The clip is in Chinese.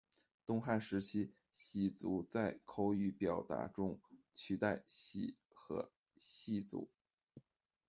东汉时期，“洗足”在口语表达中取代“洗”和“濯足”。